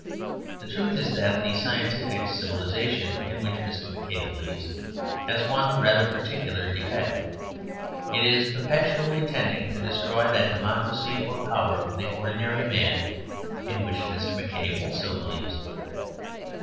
The truth is that the scientific civilization in which Mr. McCabe believes has one rather particular defect; it is perpetually tending to destroy that democracy or power of the ordinary man in which Mr. McCabe also believes.